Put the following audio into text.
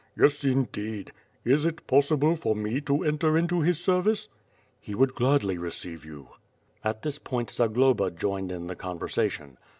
"Yes, indeed! Is it possible for me to enter into his ser vice?" "He would gladly receive you." At this point Zagloba joined in the conversation.